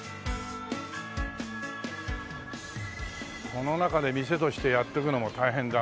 この中で店としてやっていくのも大変だな。